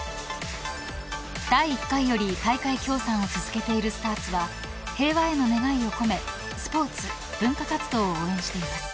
第１回より大会協賛を続けているスターツ平和への願いを込めスポーツ、文化活動を応援しています。